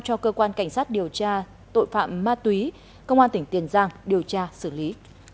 cho cơ quan cảnh sát điều tra tội phạm ma túy công an tỉnh tiền giang điều tra xử lý